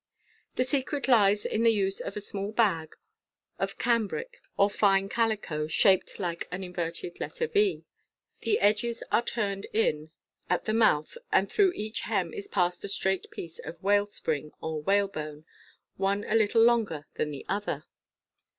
The secret lies in the use of a small bag, of cambric or fine calico, shaped like an inverted letter V. The edges are turned in at the mouth, and through each hem is passed a straight piece of watch spring or whalebone, one a little longer than the other.